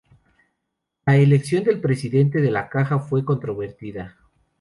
La elección del presidente de la caja fue controvertida.